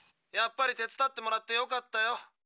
やっぱり手伝ってもらってよかったよ。